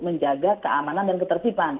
menjaga keamanan dan ketelitipan